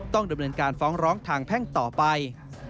ต้องดำเนินการฟ้องร้องทางแพ่งต่อไป